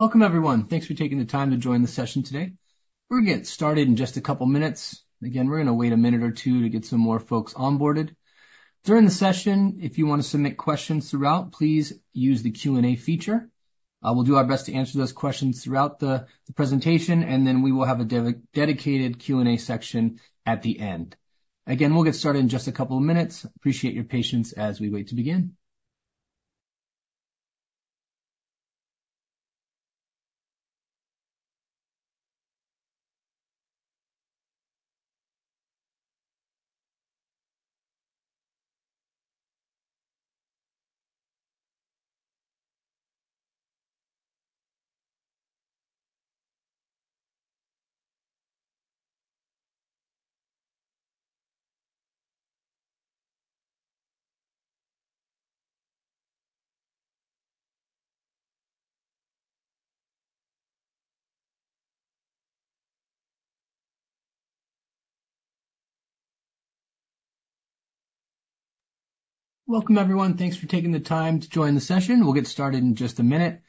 Welcome, everyone. Thanks for taking the time to join the session today. We'll get started in just a couple minutes. Again, we're gonna wait a minute or two to get some more folks onboarded. During the session, if you want to submit questions throughout, please use the Q&A feature. We'll do our best to answer those questions throughout the presentation, and then we will have a dedicated Q&A section at the end. Again, we'll get started in just a couple of minutes. Appreciate your patience as we wait to begin. Welcome, everyone. Thanks for taking the time to join the session. We'll get started in just a minute.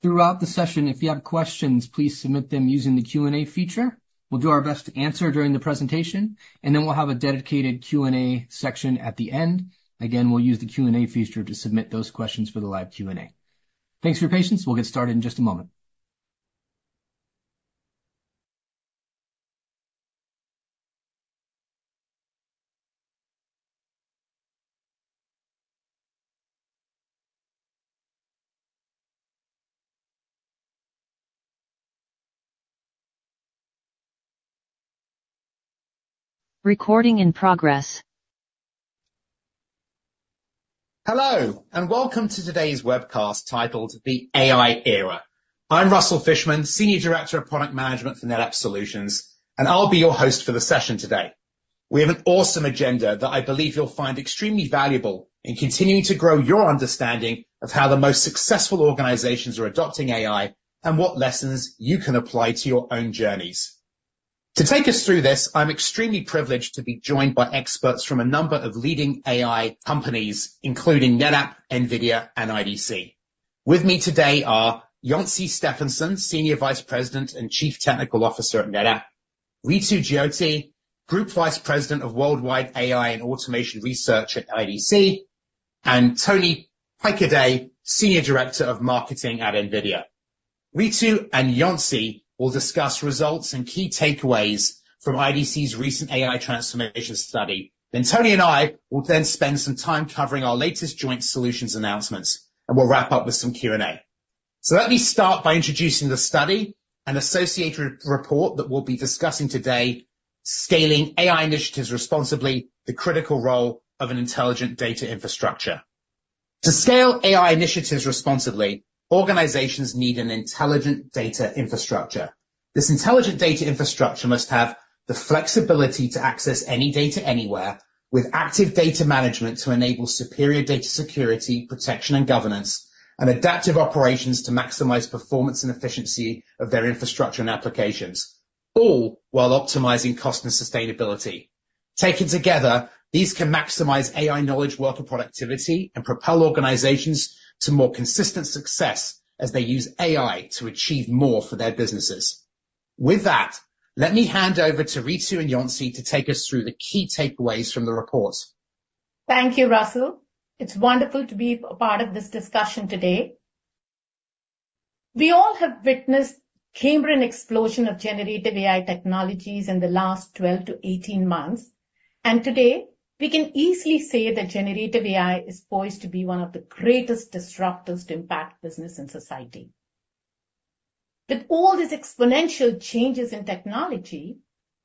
Throughout the session, if you have questions, please submit them using the Q&A feature. We'll do our best to answer during the presentation, and then we'll have a dedicated Q&A section at the end. Again, we'll use the Q&A feature to submit those questions for the live Q&A. Thanks for your patience. We'll get started in just a moment. Recording in progress. Hello, and welcome to today's webcast, titled The AI Era. I'm Russell Fishman, Senior Director of Product Management for NetApp Solutions, and I'll be your host for the session today. We have an awesome agenda that I believe you'll find extremely valuable in continuing to grow your understanding of how the most successful organizations are adopting AI, and what lessons you can apply to your own journeys. To take us through this, I'm extremely privileged to be joined by experts from a number of leading AI companies, including NetApp, NVIDIA, and IDC. With me today are Jonsi Stefansson, Senior Vice President and Chief Technical Officer at NetApp, Ritu Jyoti, Group Vice President of Worldwide AI and Automation Research at IDC, and Tony Paikeday, Senior Director of Marketing at NVIDIA. Ritu and Jonsi will discuss results and key takeaways from IDC's recent AI Transformation Study. Then Tony and I will then spend some time covering our latest joint solutions announcements, and we'll wrap up with some Q&A. So let me start by introducing the study and associated report that we'll be discussing today, Scaling AI Initiatives Responsibly: The Critical Role of an Intelligent Data Infrastructure. To scale AI initiatives responsibly, organizations need an intelligent data infrastructure. This intelligent data infrastructure must have the flexibility to access any data anywhere, with active data management to enable superior data security, protection, and governance, and adaptive operations to maximize performance and efficiency of their infrastructure and applications, all while optimizing cost and sustainability. Taken together, these can maximize AI knowledge, worker productivity, and propel organizations to more consistent success as they use AI to achieve more for their businesses. With that, let me hand over to Ritu and Jonsi to take us through the key takeaways from the report. Thank you, Russell. It's wonderful to be a part of this discussion today. We all have witnessed Cambrian explosion of generative AI technologies in the last 12-18 months, and today we can easily say that generative AI is poised to be one of the greatest disruptors to impact business and society. With all these exponential changes in technology,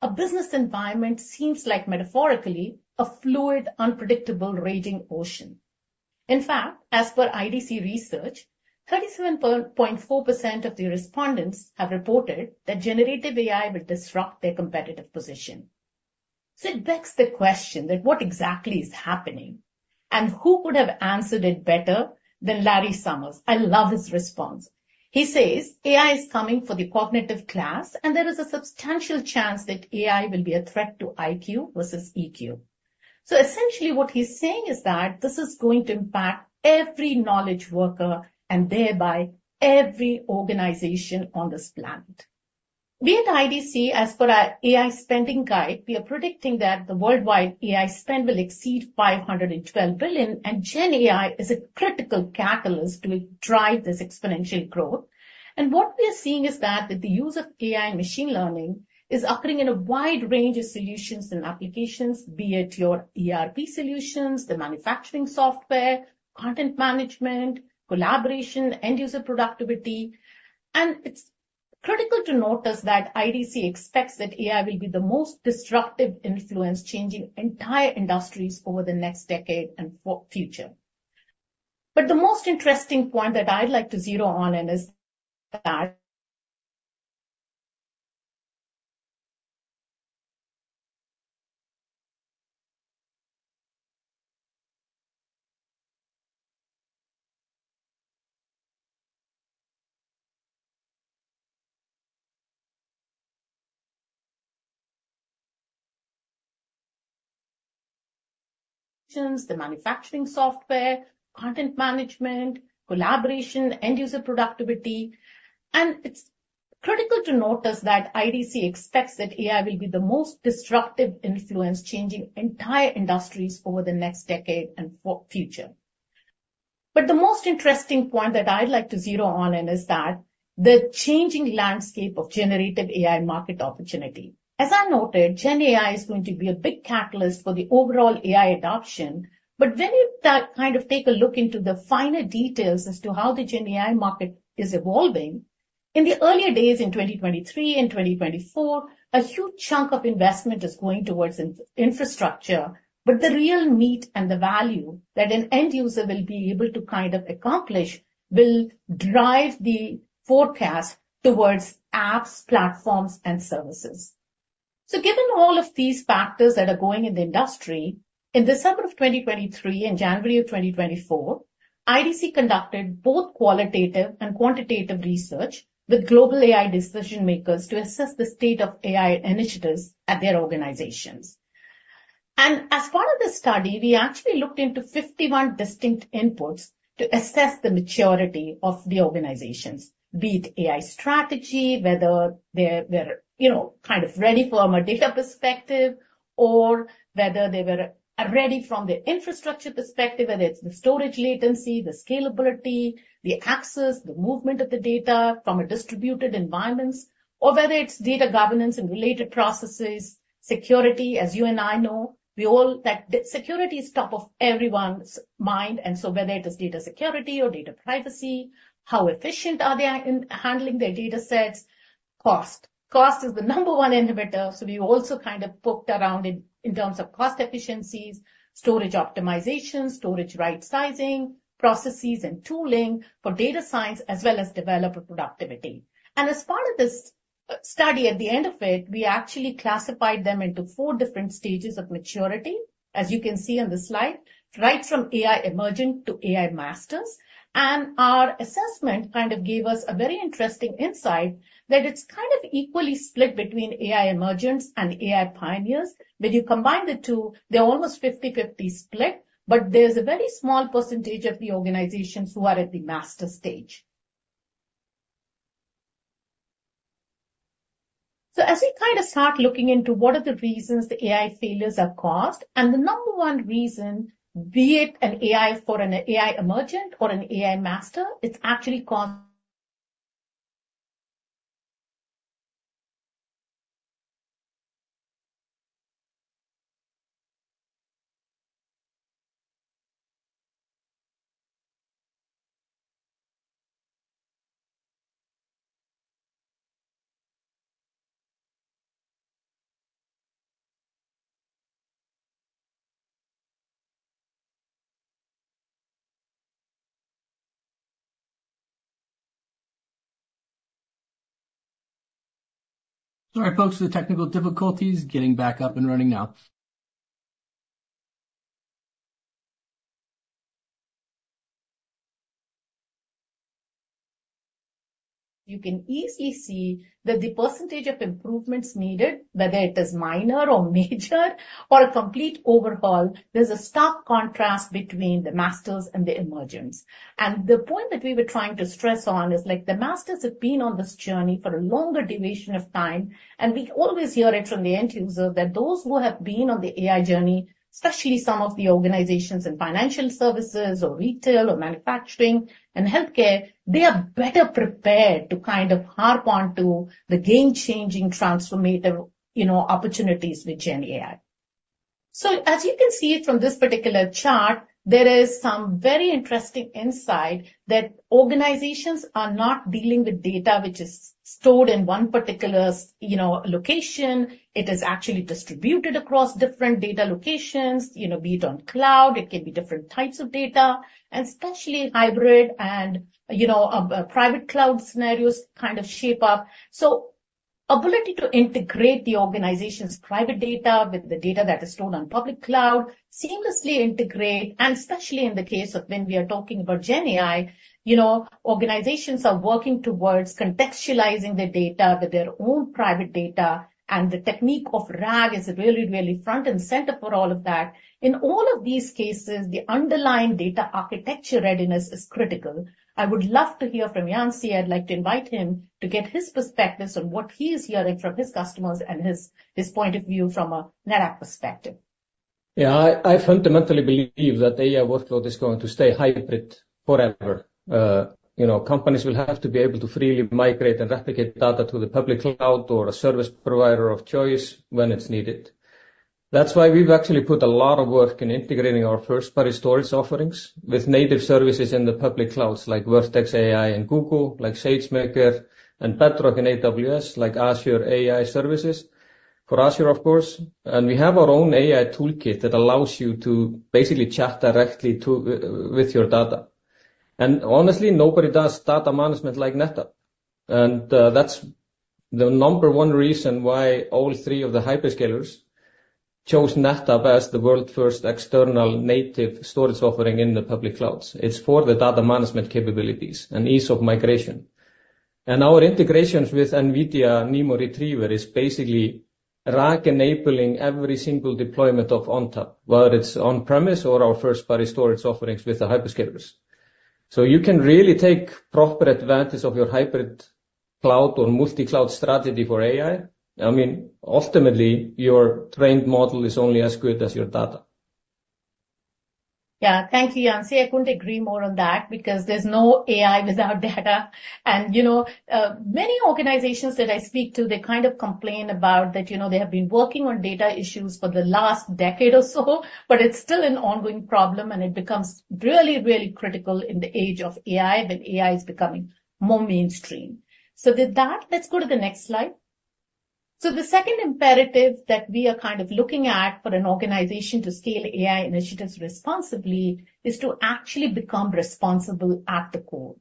a business environment seems like metaphorically, a fluid, unpredictable, raging ocean. In fact, as per IDC research, 37.4% of the respondents have reported that generative AI will disrupt their competitive position. So it begs the question that what exactly is happening? And who could have answered it better than Larry Summers? I love his response. He says: "AI is coming for the cognitive class, and there is a substantial chance that AI will be a threat to IQ versus EQ." So essentially what he's saying is that this is going to impact every knowledge worker and thereby every organization on this planet. We at IDC, as per our AI Spending Guide, we are predicting that the worldwide AI spend will exceed $512 billion, and Gen AI is a critical catalyst to drive this exponential growth. What we are seeing is that the use of AI and machine learning is occurring in a wide range of solutions and applications, be it your ERP solutions, the manufacturing software, content management, collaboration, end user productivity. It's critical to notice that IDC expects that AI will be the most disruptive influence, changing entire industries over the next decade and for future. But the most interesting point that I'd like to zero on, and is that the manufacturing software, content management, collaboration, end user productivity. And it's critical to notice that IDC expects that AI will be the most disruptive influence, changing entire industries over the next decade and for future. But the most interesting point that I'd like to zero on in is that the changing landscape of generative AI market opportunity. As I noted, Gen AI is going to be a big catalyst for the overall AI adoption. But when you kind of take a look into the finer details as to how the Gen AI market is evolving, in the earlier days in 2023 and 2024, a huge chunk of investment is going towards infrastructure. But the real meat and the value that an end user will be able to kind of accomplish will drive the forecast towards apps, platforms, and services. So given all of these factors that are going in the industry, in December of 2023 and January of 2024, IDC conducted both qualitative and quantitative research with global AI decision-makers to assess the state of AI initiatives at their organizations. And as part of the study, we actually looked into 51 distinct inputs to assess the maturity of the organizations, be it AI strategy, whether they're you know kind of ready from a data perspective, or whether they were ready from the infrastructure perspective, whether it's the storage latency, the scalability, the access, the movement of the data from a distributed environments, or whether it's data governance and related processes. Security, as you and I know, we all... That security is top of everyone's mind, and so whether it is data security or data privacy, how efficient are they in handling their datasets? Cost. Cost is the number one inhibitor, so we also kind of poked around in terms of cost efficiencies, storage optimization, storage right sizing, processes, and tooling for data science as well as developer productivity. And as part of this study, at the end of it, we actually classified them into four different stages of maturity, as you can see on the slide, right from AI Emerging to AI Masters. And our assessment kind of gave us a very interesting insight that it's kind of equally split between AI Emergents and AI Pioneers. When you combine the two, they're almost 50/50 split, but there's a very small percentage of the organizations who are at the master stage. As we kind of start looking into what are the reasons the AI failures are caused, and the number one reason, be it an AI for an AI emergent or an AI master, it's actually cost- Sorry, folks, the technical difficulties. Getting back up and running now. You can easily see that the percentage of improvements needed, whether it is minor or major or a complete overhaul, there's a stark contrast between the masters and the emergents. And the point that we were trying to stress on is, like, the masters have been on this journey for a longer duration of time, and we always hear it from the end user, that those who have been on the AI journey, especially some of the organizations in financial services or retail or manufacturing and healthcare, they are better prepared to kind of harp on to the game-changing, transformative, you know, opportunities with Gen AI. So as you can see from this particular chart, there is some very interesting insight that organizations are not dealing with data which is stored in one particular you know, location. It is actually distributed across different data locations, you know, be it on cloud, it can be different types of data, and especially hybrid and, you know, private cloud scenarios kind of shape up. So ability to integrate the organization's private data with the data that is stored on public cloud, seamlessly integrate, and especially in the case of when we are talking about Gen AI, you know, organizations are working towards contextualizing the data with their own private data, and the technique of RAG is really, really front and center for all of that. In all of these cases, the underlying data architecture readiness is critical. I would love to hear from Jonsi. I'd like to invite him to get his perspectives on what he is hearing from his customers and his, his point of view from a NetApp perspective. Yeah, I fundamentally believe that AI workload is going to stay hybrid forever. You know, companies will have to be able to freely migrate and replicate data to the public cloud or a service provider of choice when it's needed. That's why we've actually put a lot of work in integrating our first-party storage offerings with native services in the public clouds, like Vertex AI and Google, like SageMaker and Bedrock and AWS, like Azure AI services for Azure, of course, and we have our own AI toolkit that allows you to basically chat directly to... with your data. And honestly, nobody does data management like NetApp. And that's the number one reason why all three of the hyperscalers chose NetApp as the world's first external native storage offering in the public clouds. It's for the data management capabilities and ease of migration.... Our integrations with NVIDIA NeMo Retriever is basically RAG enabling every single deployment of ONTAP, whether it's on-premise or our first-party storage offerings with the hyperscalers. You can really take proper advantage of your hybrid cloud or multi-cloud strategy for AI. I mean, ultimately, your trained model is only as good as your data. Yeah. Thank you, Jonsi. See, I couldn't agree more on that because there's no AI without data. And, you know, many organizations that I speak to, they kind of complain about that, you know, they have been working on data issues for the last decade or so, but it's still an ongoing problem, and it becomes really, really critical in the age of AI, when AI is becoming more mainstream. So with that, let's go to the next slide. So the second imperative that we are kind of looking at for an organization to scale AI initiatives responsibly is to actually become responsible at the core.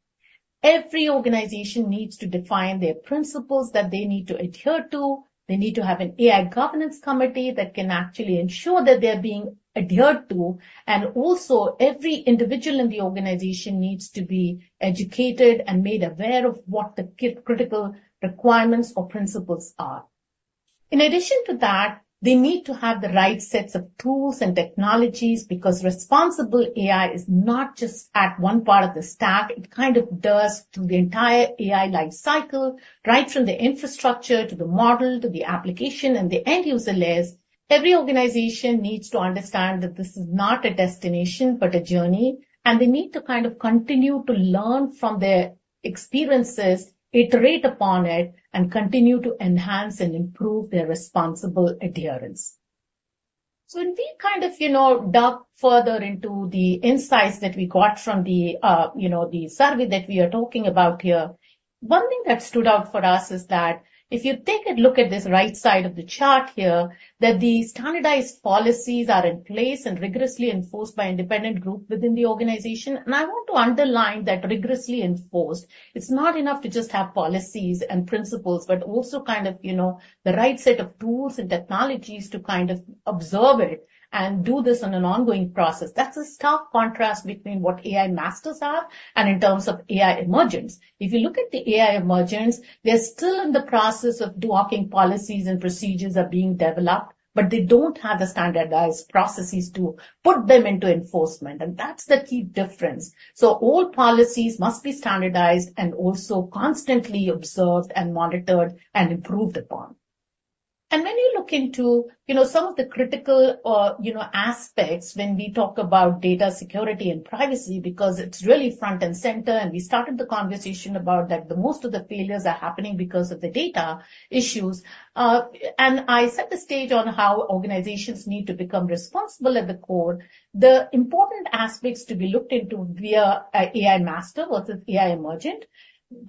Every organization needs to define their principles that they need to adhere to. They need to have an AI governance committee that can actually ensure that they're being adhered to, and also every individual in the organization needs to be educated and made aware of what the critical requirements or principles are. In addition to that, they need to have the right sets of tools and technologies, because responsible AI is not just at one part of the stack, it kind of does through the entire AI life cycle, right from the infrastructure to the model to the application and the end user layers. Every organization needs to understand that this is not a destination, but a journey, and they need to kind of continue to learn from their experiences, iterate upon it, and continue to enhance and improve their responsible adherence. So if we kind of, you know, dug further into the insights that we got from the, you know, the survey that we are talking about here, one thing that stood out for us is that if you take a look at this right side of the chart here, that the standardized policies are in place and rigorously enforced by independent group within the organization. And I want to underline that rigorously enforced. It's not enough to just have policies and principles, but also kind of, you know, the right set of tools and technologies to kind of observe it and do this on an ongoing process. That's a stark contrast between what AI masters are and in terms of AI emergents. If you look at the AI emergents, they're still in the process of developing policies and procedures are being developed, but they don't have the standardized processes to put them into enforcement, and that's the key difference. All policies must be standardized and also constantly observed and monitored and improved upon. When you look into, you know, some of the critical or, you know, aspects when we talk about data security and privacy, because it's really front and center, and we started the conversation about that the most of the failures are happening because of the data issues. I set the stage on how organizations need to become responsible at the core. The important aspects to be looked into via AI master versus AI emergent,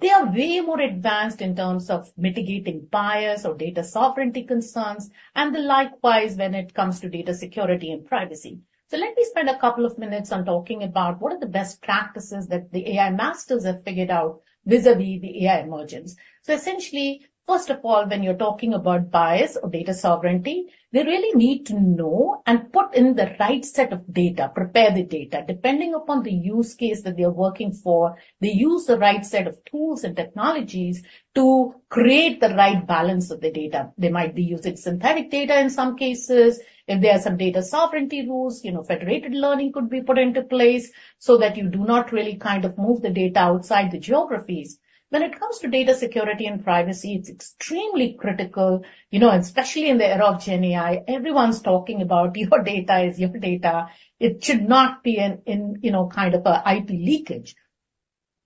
they are way more advanced in terms of mitigating bias or data sovereignty concerns, and likewise, when it comes to data security and privacy. Let me spend a couple of minutes on talking about what are the best practices that the AI masters have figured out vis-a-vis the AI emergence. Essentially, first of all, when you're talking about bias or data sovereignty, they really need to know and put in the right set of data, prepare the data. Depending upon the use case that they are working for, they use the right set of tools and technologies to create the right balance of the data. They might be using synthetic data in some cases. If there are some data sovereignty rules, you know, Federated Learning could be put into place so that you do not really kind of move the data outside the geographies. When it comes to data security and privacy, it's extremely critical, you know, especially in the era of GenAI, everyone's talking about your data is your data. It should not be in, in, you know, kind of a IP leakage.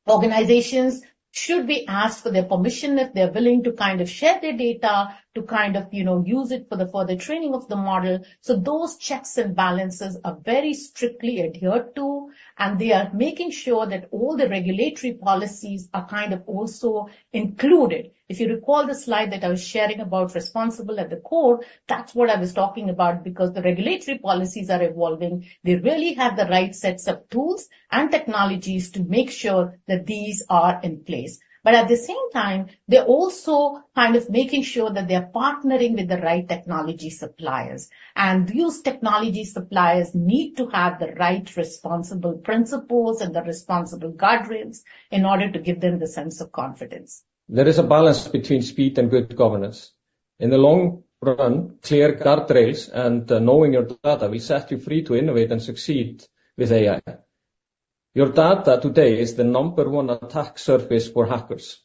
Organizations should be asked for their permission if they're willing to kind of share their data, to kind of, you know, use it for the further training of the model. So those checks and balances are very strictly adhered to, and they are making sure that all the regulatory policies are kind of also included. If you recall the slide that I was sharing about responsible at the core, that's what I was talking about, because the regulatory policies are evolving. They really have the right sets of tools and technologies to make sure that these are in place. But at the same time, they're also kind of making sure that they are partnering with the right technology suppliers. And these technology suppliers need to have the right responsible principles and the responsible guardrails in order to give them the sense of confidence. There is a balance between speed and good governance. In the long run, clear guardrails and knowing your data will set you free to innovate and succeed with AI. Your data today is the number one attack surface for hackers,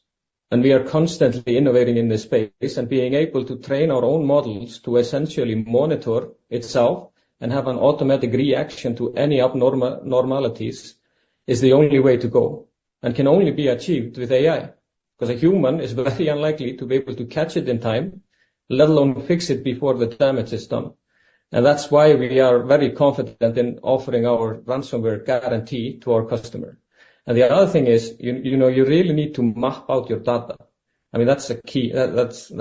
and we are constantly innovating in this space and being able to train our own models to essentially monitor itself and have an automatic reaction to any abnormalities, is the only way to go, and can only be achieved with AI. Because a human is very unlikely to be able to catch it in time, let alone fix it before the damage is done. And that's why we are very confident in offering our ransomware guarantee to our customer. And the other thing is, you know, you really need to map out your data. I mean, that's a key... That's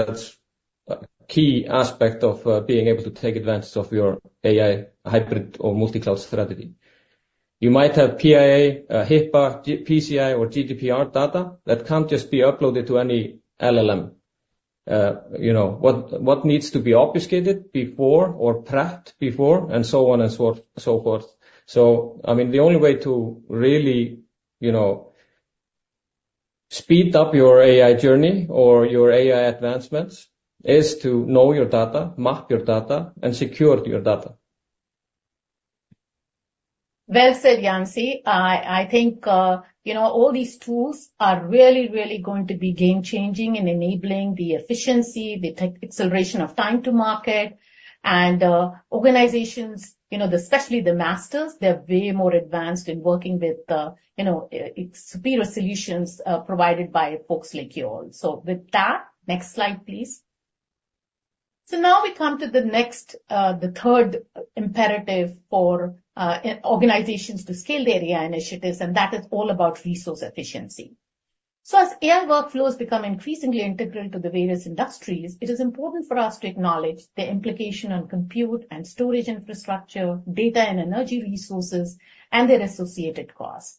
a key aspect of being able to take advantage of your AI hybrid or multi-cloud strategy. You might have PII, HIPAA, GDPR, PCI or GDPR data that can't just be uploaded to any LLM, you know, what needs to be obfuscated before or prepped before, and so on and so forth. So, I mean, the only way to really, you know, speed up your AI journey or your AI advancements is to know your data, map your data, and secure your data. Well said, Jonsi. I think, you know, all these tools are really, really going to be game-changing in enabling the efficiency, the tech acceleration of time to market. Organizations, you know, especially the masters, they're way more advanced in working with, you know, superior solutions, provided by folks like you all. So with that, next slide, please. So now we come to the next, the third imperative for organizations to scale their AI initiatives, and that is all about resource efficiency. So as AI workflows become increasingly integral to the various industries, it is important for us to acknowledge the implication on compute and storage infrastructure, data and energy resources, and their associated costs.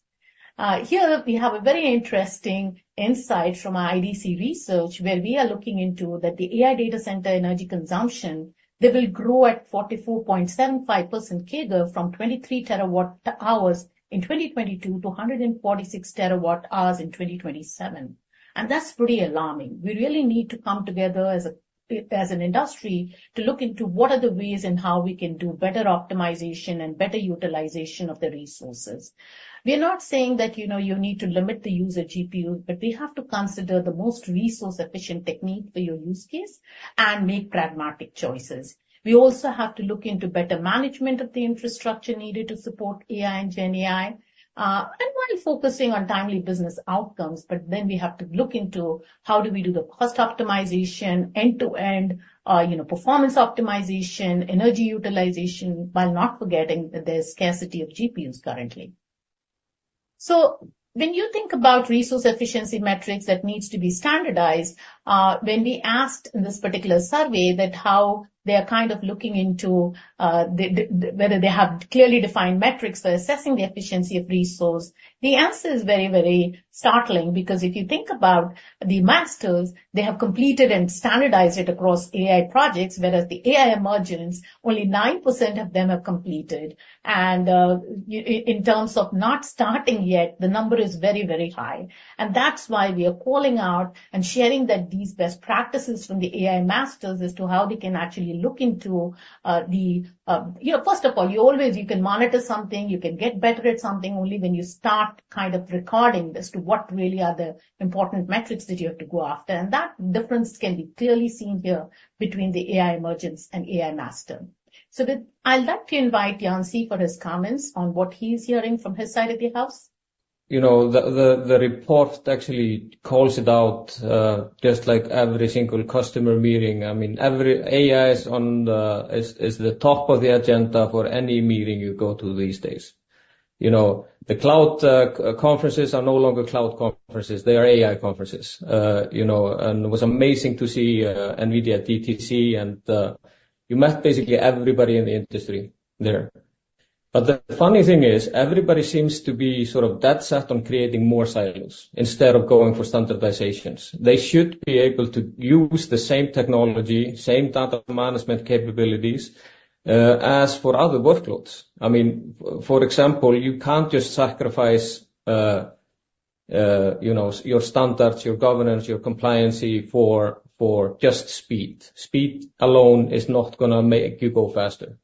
Here we have a very interesting insight from our IDC research, where we are looking into that the AI data center energy consumption, they will grow at 44.75% CAGR from 23 TWh in 2022 to 146 TWh in 2027. That's pretty alarming. We really need to come together as a, as an industry to look into what are the ways and how we can do better optimization and better utilization of the resources. We are not saying that, you know, you need to limit the user GPU, but we have to consider the most resource-efficient technique for your use case and make pragmatic choices. We also have to look into better management of the infrastructure needed to support AI and GenAI, and while focusing on timely business outcomes, but then we have to look into how do we do the cost optimization, end-to-end, you know, performance optimization, energy utilization, while not forgetting that there's scarcity of GPUs currently. So when you think about resource efficiency metrics that needs to be standardized, when we asked in this particular survey that how they are kind of looking into whether they have clearly defined metrics for assessing the efficiency of resource, the answer is very, very startling. Because if you think about the masters, they have completed and standardized it across AI projects, whereas the AI emergents, only 9% of them have completed. And in terms of not starting yet, the number is very, very high. That's why we are calling out and sharing that these best practices from the AI masters as to how they can actually look into. You know, first of all, you always, you can monitor something, you can get better at something only when you start kind of recording as to what really are the important metrics that you have to go after. That difference can be clearly seen here between the AI Emergents and AI master. So with... I'd like to invite Jonsi for his comments on what he's hearing from his side of the house. You know, the report actually calls it out, just like every single customer meeting. I mean, every AI is on the top of the agenda for any meeting you go to these days. You know, the cloud conferences are no longer cloud conferences, they are AI conferences. You know, it was amazing to see NVIDIA at GTC, and you met basically everybody in the industry there. But the funny thing is, everybody seems to be sort of dead set on creating more silos instead of going for standardizations. They should be able to use the same technology, same data management capabilities, as for other workloads. I mean, for example, you can't just sacrifice, you know, your standards, your governance, your compliancy for just speed. Speed alone is not gonna make you go faster.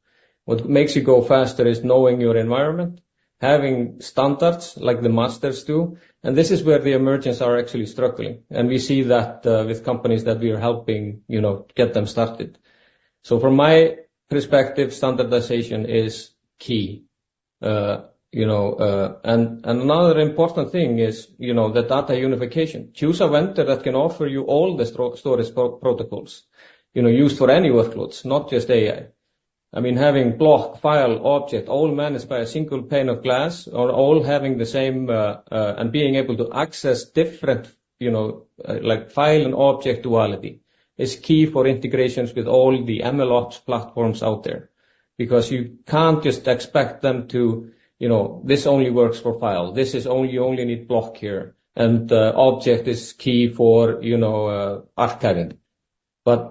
What makes you go faster is knowing your environment, having standards like the masters do, and this is where the emergents are actually struggling. And we see that, with companies that we are helping, you know, get them started. So from my perspective, standardization is key. You know, and another important thing is, you know, the data unification. Choose a vendor that can offer you all the storage protocols, you know, used for any workloads, not just AI. I mean, having block, file, object, all managed by a single pane of glass or all having the same. And being able to access different, you know, like, file and object duality, is key for integrations with all the MLOps platforms out there. Because you can't just expect them to, you know, this only works for file, this is only-- you only need block here, and, object is key for, you know, archive. But,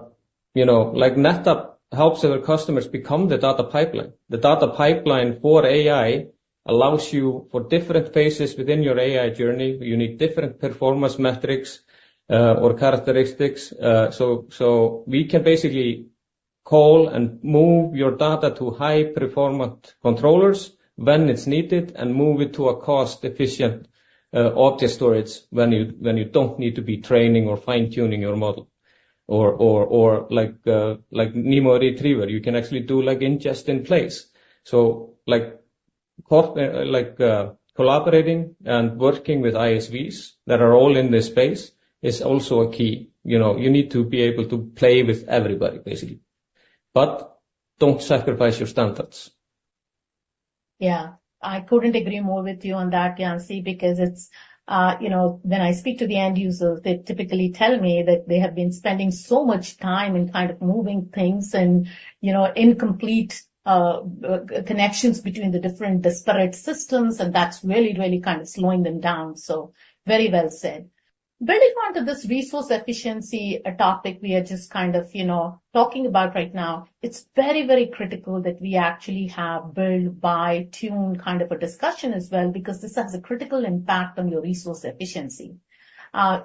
you know, like, NetApp helps our customers become the data pipeline. The data pipeline for AI allows you for different phases within your AI journey. You need different performance metrics, or characteristics. So, we can basically call and move your data to high-performant controllers when it's needed and move it to a cost-efficient, object storage when you, when you don't need to be training or fine-tuning your model. Or, like, Nemo Retriever, you can actually do, like, ingest in place. So, like, collaborating and working with ISVs that are all in this space is also a key. You know, you need to be able to play with everybody, basically. But don't sacrifice your standards. Yeah. I couldn't agree more with you on that, Janci, because it's... You know, when I speak to the end users, they typically tell me that they have been spending so much time in kind of moving things and, you know, incomplete connections between the different disparate systems, and that's really, really kind of slowing them down. So very well said. Building on to this resource efficiency, a topic we are just kind of, you know, talking about right now, it's very, very critical that we actually have build, buy, tune, kind of a discussion as well, because this has a critical impact on your resource efficiency.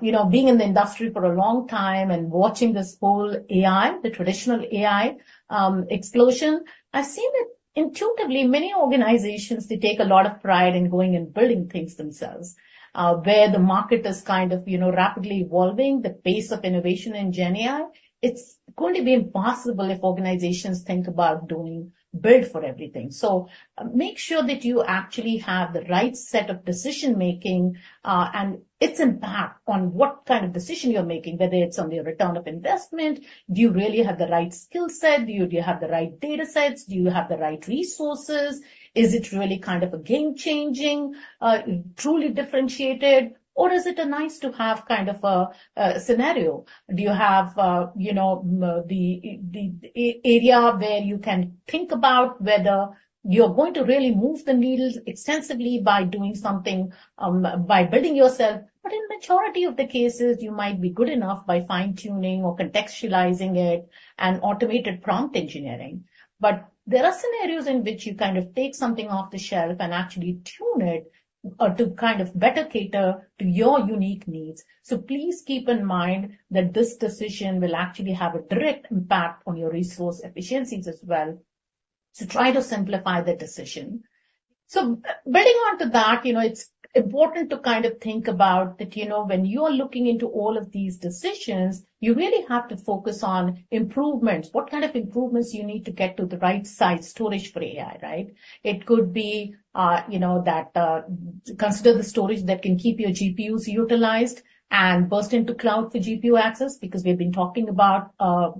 You know, being in the industry for a long time and watching this whole AI, the traditional AI, explosion, I've seen that intuitively, many organizations, they take a lot of pride in going and building things themselves. where the market is kind of, you know, rapidly evolving, the pace of innovation in GenAI, it's going to be impossible if organizations think about doing build for everything. So make sure that you actually have the right set of decision-making, and its impact on what kind of decision you're making, whether it's on your return of investment. Do you really have the right skill set? Do you have the right data sets? Do you have the right resources? Is it really kind of a game-changing, truly differentiated, or is it a nice-to-have kind of a scenario? Do you have, you know, the area where you can think about whether you're going to really move the needles extensively by doing something, by building yourself? But in majority of the cases, you might be good enough by fine-tuning or contextualizing it and automated prompt engineering. But there are scenarios in which you kind of take something off the shelf and actually tune it, or to kind of better cater to your unique needs. So please keep in mind that this decision will actually have a direct impact on your resource efficiencies as well, so try to simplify the decision. So building on to that, you know, it's important to kind of think about that, you know, when you are looking into all of these decisions, you really have to focus on improvements. What kind of improvements you need to get to the right size storage for AI, right? It could be, you know, that, consider the storage that can keep your GPUs utilized and burst into cloud for GPU access, because we've been talking about,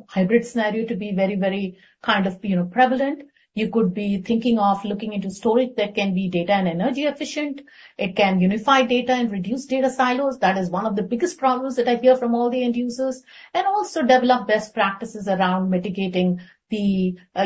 hybrid scenario to be very, very kind of, you know, prevalent. You could be thinking of looking into storage that can be data and energy efficient. It can unify data and reduce data silos. That is one of the biggest problems that I hear from all the end users. And also develop best practices around mitigating the,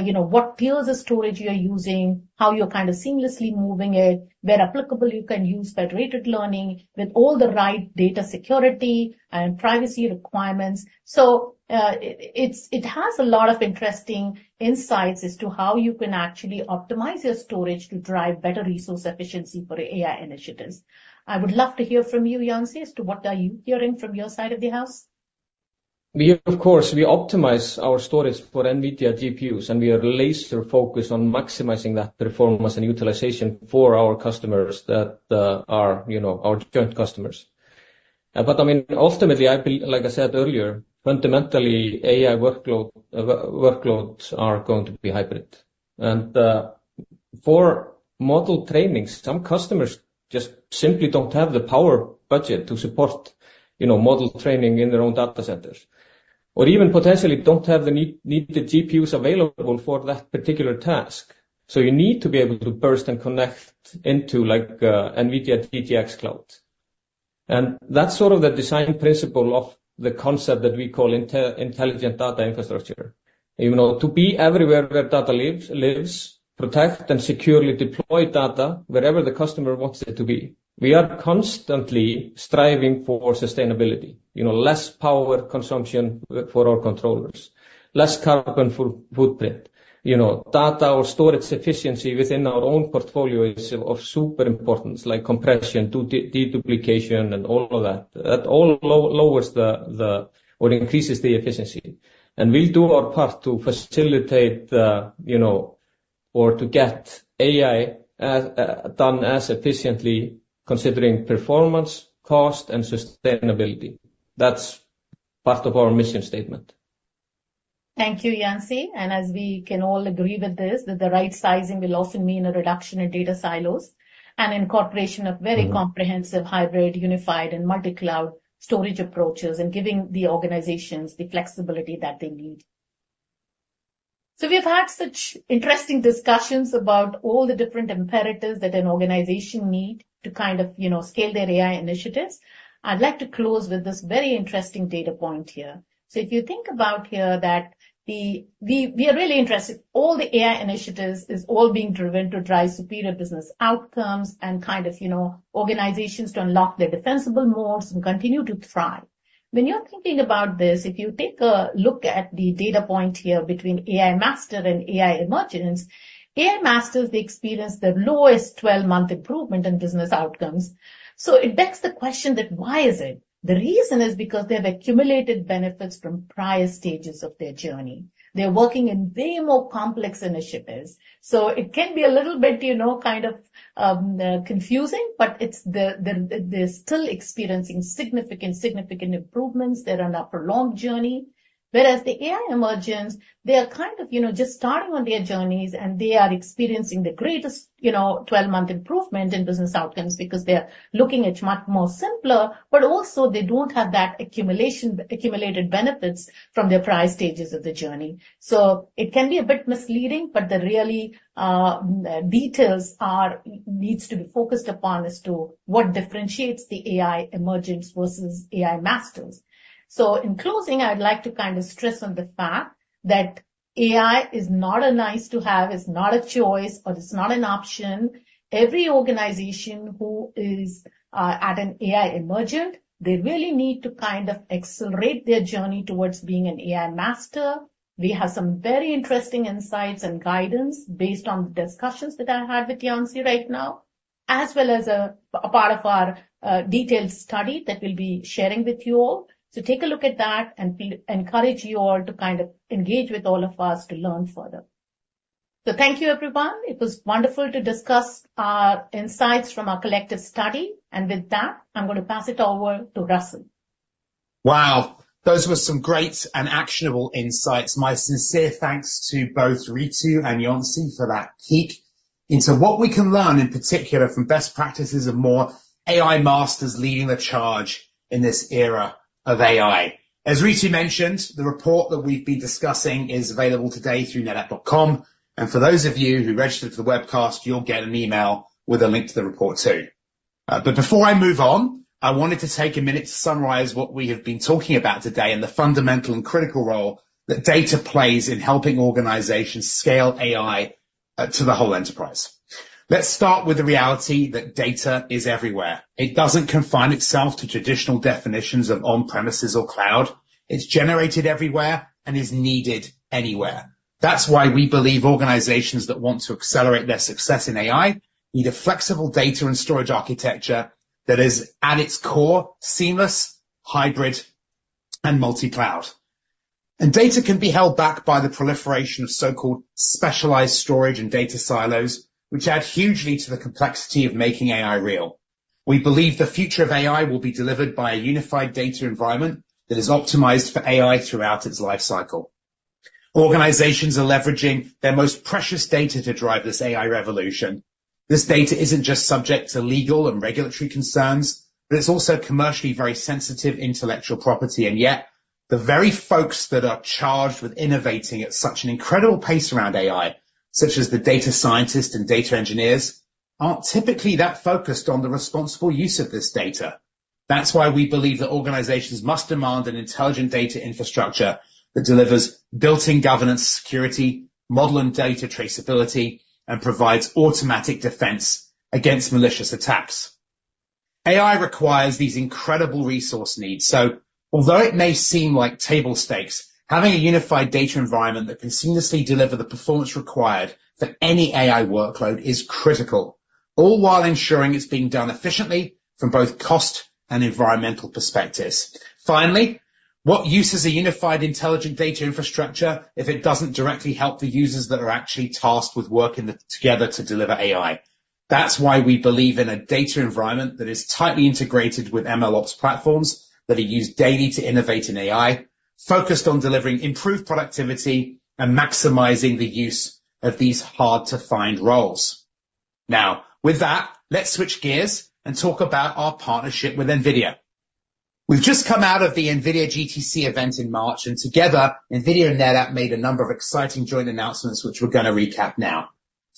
you know, what tiers of storage you are using, how you're kind of seamlessly moving it. Where applicable, you can use federated learning with all the right data security and privacy requirements. So, it's... It has a lot of interesting insights as to how you can actually optimize your storage to drive better resource efficiency for AI initiatives. I would love to hear from you, Jonsi, as to what are you hearing from your side of the house? We, of course, optimize our storage for NVIDIA GPUs, and we are laser-focused on maximizing that performance and utilization for our customers that are, you know, our joint customers. But, I mean, ultimately, like I said earlier, fundamentally, AI workloads are going to be hybrid. And, for model trainings, some customers just simply don't have the power budget to support, you know, model training in their own data centers, or even potentially don't have the need, need the GPUs available for that particular task. So you need to be able to burst and connect into, like, NVIDIA DGX Cloud. And that's sort of the design principle of the concept that we call intelligent data infrastructure. You know, to be everywhere where data lives, protect and securely deploy data wherever the customer wants it to be. We are constantly striving for sustainability. You know, less power consumption for our controllers, less carbon footprint. You know, data or storage efficiency within our own portfolio is of super importance, like compression, de-duplication and all of that. That all lowers the or increases the efficiency. And we'll do our part to facilitate the, you know, or to get AI done as efficiently, considering performance, cost, and sustainability. That's part of our mission statement. Thank you, Jonsi. As we can all agree with this, that the right sizing will also mean a reduction in data silos and incorporation of- Mm-hmm. Very comprehensive, hybrid, unified and multi-cloud storage approaches, and giving the organizations the flexibility that they need. So we have had such interesting discussions about all the different imperatives that an organization need to kind of, you know, scale their AI initiatives. I'd like to close with this very interesting data point here. So if you think about here, that the, we are really interested. All the AI initiatives is all being driven to drive superior business outcomes and kind of, you know, organizations to unlock their defensible moats and continue to thrive. When you're thinking about this, if you take a look at the data point here between AI master and AI emergence, AI masters, they experience the lowest twelve-month improvement in business outcomes. So it begs the question that, why is it? The reason is because they have accumulated benefits from prior stages of their journey. They're working in way more complex initiatives. So it can be a little bit, you know, kind of, confusing, but it's the, they're still experiencing significant, significant improvements. They're on a prolonged journey. Whereas the AI emergence, they are kind of, you know, just starting on their journeys, and they are experiencing the greatest, you know, 12-month improvement in business outcomes because they are looking at much more simpler, but also they don't have that accumulation, accumulated benefits from their prior stages of the journey. So it can be a bit misleading, but the really, details are, needs to be focused upon as to what differentiates the AI emergence versus AI masters. So in closing, I'd like to kind of stress on the fact that AI is not a nice-to-have, it's not a choice, but it's not an option. Every organization who is at an AI emergent, they really need to kind of accelerate their journey towards being an AI master. We have some very interesting insights and guidance based on the discussions that I had with Yancey right now, as well as a part of our detailed study that we'll be sharing with you all. So take a look at that, and we encourage you all to kind of engage with all of us to learn further. So thank you, everyone. It was wonderful to discuss our insights from our collective study, and with that, I'm gonna pass it over to Russell. Wow! Those were some great and actionable insights. My sincere thanks to both Ritu and Jonsi for that peek into what we can learn, in particular, from best practices of more AI masters leading the charge in this era of AI. As Ritu mentioned, the report that we've been discussing is available today through netapp.com, and for those of you who registered for the webcast, you'll get an email with a link to the report, too. But before I move on, I wanted to take a minute to summarize what we have been talking about today and the fundamental and critical role that data plays in helping organizations scale AI to the whole enterprise. Let's start with the reality that data is everywhere. It doesn't confine itself to traditional definitions of on-premises or cloud. It's generated everywhere and is needed anywhere. That's why we believe organizations that want to accelerate their success in AI need a flexible data and storage architecture that is, at its core, seamless, hybrid, and multi-cloud. Data can be held back by the proliferation of so-called specialized storage and data silos, which add hugely to the complexity of making AI real. We believe the future of AI will be delivered by a unified data environment that is optimized for AI throughout its life cycle. Organizations are leveraging their most precious data to drive this AI revolution. This data isn't just subject to legal and regulatory concerns, but it's also commercially very sensitive intellectual property, and yet, the very folks that are charged with innovating at such an incredible pace around AI, such as the data scientists and data engineers, aren't typically that focused on the responsible use of this data. That's why we believe that organizations must demand an intelligent data infrastructure that delivers built-in governance, security, model and data traceability, and provides automatic defense against malicious attacks. AI requires these incredible resource needs, so although it may seem like table stakes, having a unified data environment that can seamlessly deliver the performance required for any AI workload is critical, all while ensuring it's being done efficiently from both cost and environmental perspectives. Finally, what use is a unified intelligent data infrastructure if it doesn't directly help the users that are actually tasked with working together to deliver AI? That's why we believe in a data environment that is tightly integrated with MLOps platforms that are used daily to innovate in AI, focused on delivering improved productivity and maximizing the use of these hard-to-find roles. Now, with that, let's switch gears and talk about our partnership with NVIDIA. We've just come out of the NVIDIA GTC event in March, and together, NVIDIA and NetApp made a number of exciting joint announcements, which we're gonna recap now.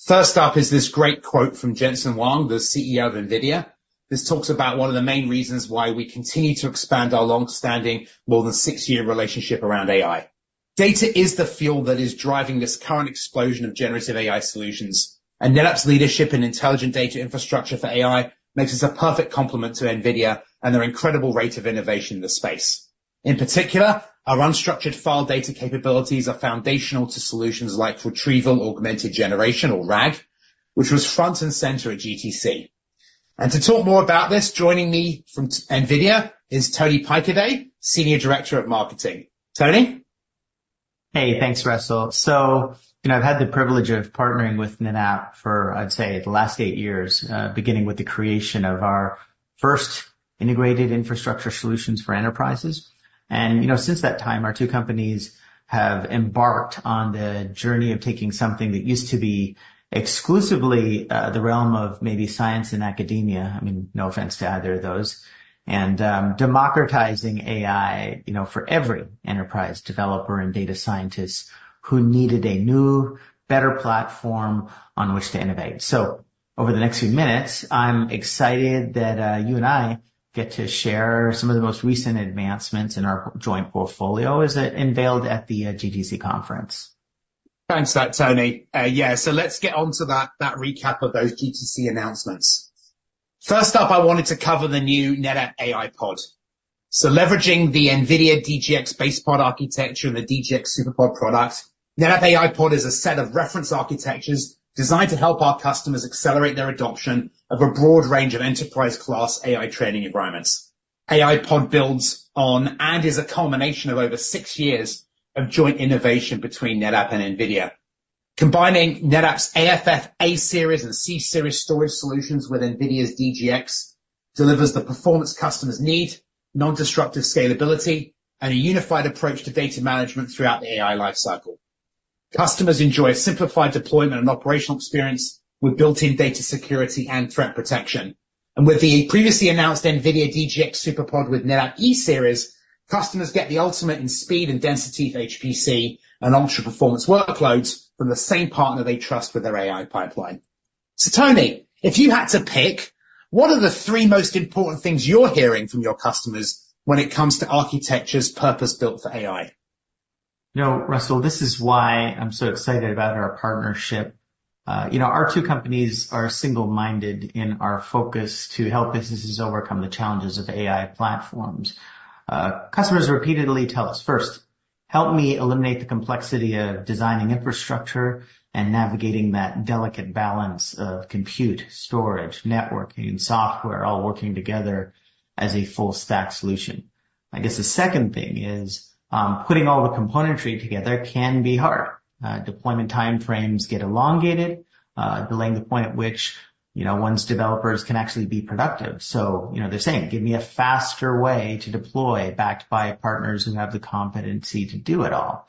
First up is this great quote from Jensen Huang, the CEO of NVIDIA. This talks about one of the main reasons why we continue to expand our long-standing, more than six-year relationship around AI. Data is the fuel that is driving this current explosion of generative AI solutions, and NetApp's leadership in intelligent data infrastructure for AI makes us a perfect complement to NVIDIA and their incredible rate of innovation in the space. In particular, our unstructured file data capabilities are foundational to solutions like Retrieval Augmented Generation, or RAG, which was front and center at GTC. And to talk more about this, joining me from NVIDIA is Tony Paikeday, senior director of marketing. Tony? Hey, thanks, Russell. So, you know, I've had the privilege of partnering with NetApp for, I'd say, the last eight years, beginning with the creation of our first integrated infrastructure solutions for enterprises. And, you know, since that time, our two companies have embarked on the journey of taking something that used to be exclusively the realm of maybe science and academia, I mean, no offense to either of those, and democratizing AI, you know, for every enterprise developer and data scientist who needed a new, better platform on which to innovate. So over the next few minutes, I'm excited that you and I get to share some of the most recent advancements in our joint portfolio as it unveiled at the GTC conference. Thanks for that, Tony. Yeah, so let's get on to that, that recap of those GTC announcements. First up, I wanted to cover the new NetApp AIPod. So leveraging the NVIDIA DGX BasePOD architecture and the DGX SuperPOD product, NetApp AIPod is a set of reference architectures designed to help our customers accelerate their adoption of a broad range of enterprise-class AI training environments. AIPod builds on and is a culmination of over six years of joint innovation between NetApp and NVIDIA. Combining NetApp's AFF A-Series and C-Series storage solutions with NVIDIA's DGX delivers the performance customers need, non-destructive scalability, and a unified approach to data management throughout the AI life cycle. Customers enjoy a simplified deployment and operational experience with built-in data security and threat protection. With the previously announced NVIDIA DGX SuperPOD with NetApp E-Series, customers get the ultimate in speed and density HPC and ultra-performance workloads from the same partner they trust with their AI pipeline. So Tony, if you had to pick, what are the three most important things you're hearing from your customers when it comes to architectures purpose-built for AI? You know, Russell, this is why I'm so excited about our partnership. You know, our two companies are single-minded in our focus to help businesses overcome the challenges of AI platforms. Customers repeatedly tell us, "First, help me eliminate the complexity of designing infrastructure and navigating that delicate balance of compute, storage, networking, software, all working together as a full stack solution." I guess the second thing is, putting all the componentry together can be hard. Deployment time frames get elongated, delaying the point at which, you know, one's developers can actually be productive. So, you know, they're saying, "Give me a faster way to deploy, backed by partners who have the competency to do it all."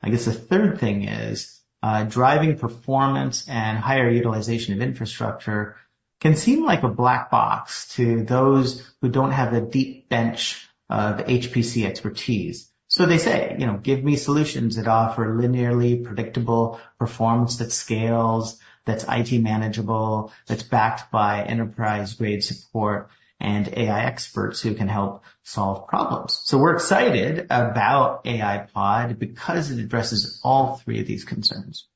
I guess the third thing is, driving performance and higher utilization of infrastructure can seem like a black box to those who don't have the deep bench of HPC expertise. So they say, you know, "Give me solutions that offer linearly predictable performance, that scales, that's IT manageable, that's backed by enterprise-grade support and AI experts who can help solve problems." So we're excited about AIPod because it addresses all three of these concerns.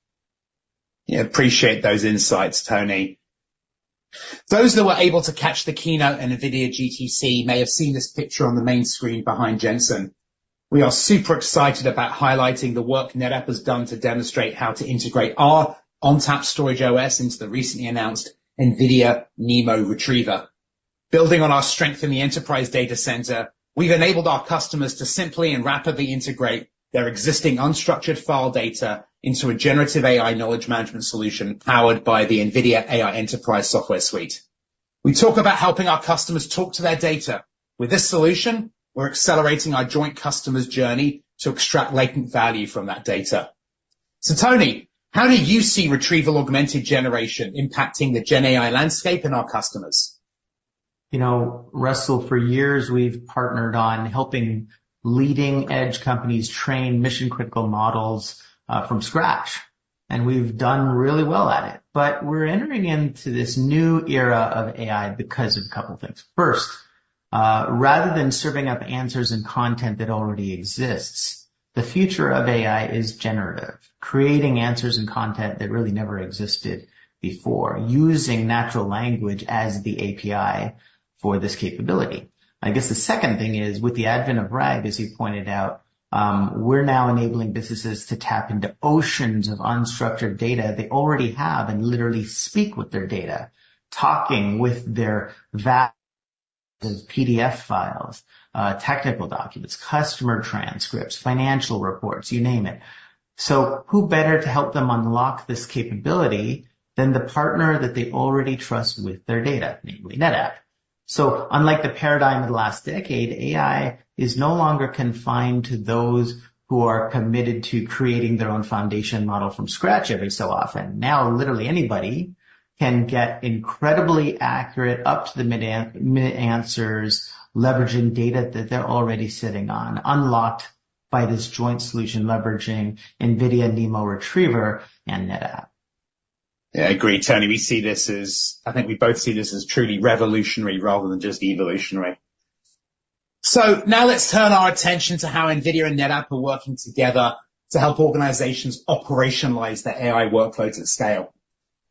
Yeah. Appreciate those insights, Tony. Those that were able to catch the keynote in NVIDIA GTC may have seen this picture on the main screen behind Jensen. We are super excited about highlighting the work NetApp has done to demonstrate how to integrate our ONTAP storage OS into the recently announced NVIDIA NeMo Retriever. Building on our strength in the enterprise data center, we've enabled our customers to simply and rapidly integrate their existing unstructured file data into a generative AI knowledge management solution, powered by the NVIDIA AI Enterprise software suite. We talk about helping our customers talk to their data. With this solution, we're accelerating our joint customers' journey to extract latent value from that data. So Tony, how do you see retrieval augmented generation impacting the GenAI landscape and our customers? You know, Russell, for years we've partnered on helping leading edge companies train mission-critical models, from scratch, and we've done really well at it. But we're entering into this new era of AI because of a couple of things. First, rather than serving up answers and content that already exists, the future of AI is generative, creating answers and content that really never existed before, using natural language as the API for this capability. I guess the second thing is, with the advent of RAG, as you pointed out, we're now enabling businesses to tap into oceans of unstructured data they already have and literally speak with their data, talking with their vast PDF files, technical documents, customer transcripts, financial reports, you name it. So who better to help them unlock this capability than the partner that they already trust with their data, namely NetApp? So unlike the paradigm of the last decade, AI is no longer confined to those who are committed to creating their own foundation model from scratch every so often. Now, literally anybody can get incredibly accurate up to the mid- and mid answers, leveraging data that they're already sitting on, unlocked by this joint solution, leveraging NVIDIA NeMo Retriever and NetApp. Yeah, I agree, Tony. We see this as... I think we both see this as truly revolutionary rather than just evolutionary. So now let's turn our attention to how NVIDIA and NetApp are working together to help organizations operationalize their AI workloads at scale.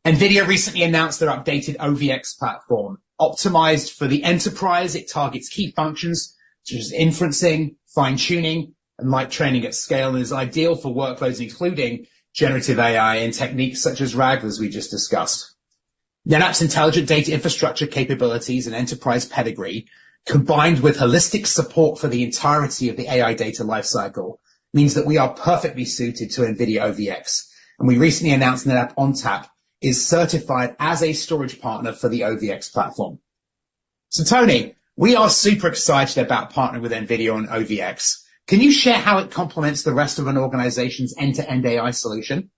NVIDIA recently announced their updated OVX platform. Optimized for the enterprise, it targets key functions such as inferencing, fine-tuning, and light training at scale, and is ideal for workloads, including generative AI and techniques such as RAG, as we just discussed. NetApp's intelligent data infrastructure capabilities and enterprise pedigree, combined with holistic support for the entirety of the AI data lifecycle, means that we are perfectly suited to NVIDIA OVX, and we recently announced NetApp ONTAP is certified as a storage partner for the OVX platform. So Tony, we are super excited about partnering with NVIDIA on OVX. Can you share how it complements the rest of an organization's end-to-end AI solution?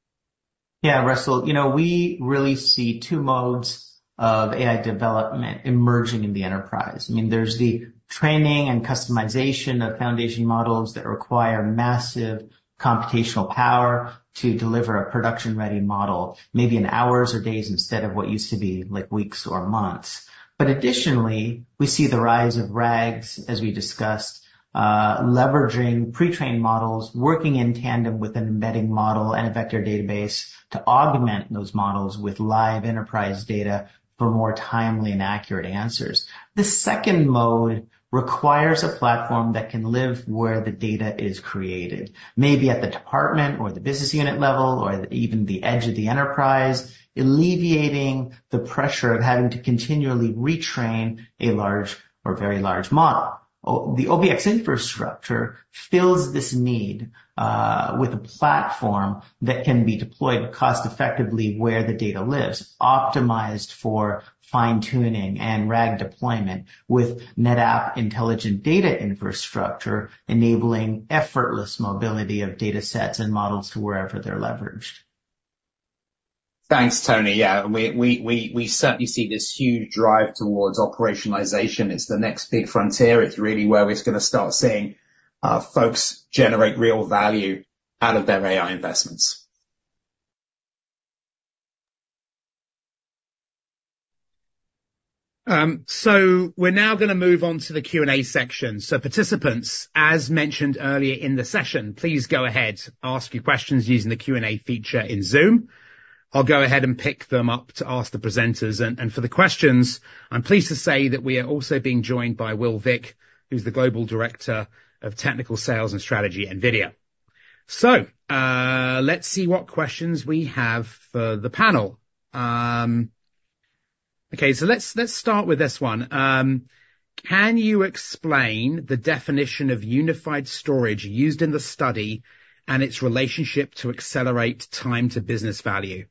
Yeah, Russell, you know, we really see two modes of AI development emerging in the enterprise. I mean, there's the training and customization of foundation models that require massive computational power to deliver a production-ready model, maybe in hours or days, instead of what used to be, like, weeks or months. But additionally, we see the rise of RAGs, as we discussed, leveraging pre-trained models, working in tandem with an embedding model and a vector database to augment those models with live enterprise data for more timely and accurate answers. The second mode requires a platform that can live where the data is created, maybe at the department or the business unit level or even the edge of the enterprise, alleviating the pressure of having to continually retrain a large or very large model. The OVX infrastructure fills this need, with a platform that can be deployed cost-effectively where the data lives, optimized for fine-tuning and RAG deployment, with NetApp intelligent data infrastructure, enabling effortless mobility of datasets and models to wherever they're leveraged. Thanks, Tony. Yeah, we certainly see this huge drive towards operationalization. It's the next big frontier. It's really where we're gonna start seeing folks generate real value out of their AI investments. So we're now gonna move on to the Q&A section. So participants, as mentioned earlier in the session, please go ahead, ask your questions using the Q&A feature in Zoom. I'll go ahead and pick them up to ask the presenters. And for the questions, I'm pleased to say that we are also being joined by Will Vick, who's the Global Director of Technical Sales and Strategy, NVIDIA. So let's see what questions we have for the panel. Okay, so let's start with this one. Can you explain the definition of unified storage used in the study and its relationship to accelerate time to business value?